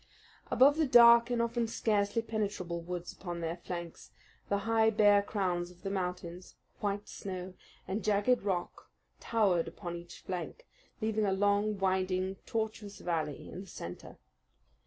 Above the dark and often scarcely penetrable woods upon their flanks, the high, bare crowns of the mountains, white snow, and jagged rock towered upon each flank, leaving a long, winding, tortuous valley in the centre.